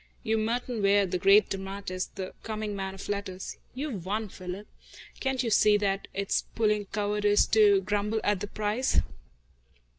You're Merton Ware, the great dramatist, the coming man of letters. You've won, Philip. Can't you see that it's puling cowardice to grumble at the price?"